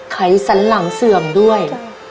ไขสันหลังเสื่อมด้วย